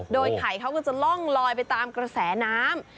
โดยไข่เขาก็จะล่องลอยไปตามกระแสน้ำ